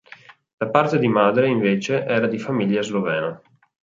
Da parte di madre, invece, era di famiglia slovena.